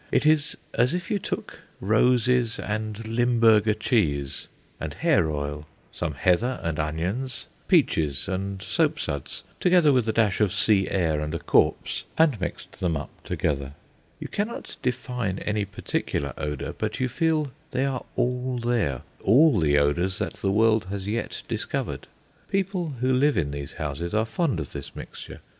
It is as if you took roses and Limburger cheese and hair oil, some heather and onions, peaches and soapsuds, together with a dash of sea air and a corpse, and mixed them up together. You cannot define any particular odour, but you feel they are all there all the odours that the world has yet discovered. People who live in these houses are fond of this mixture.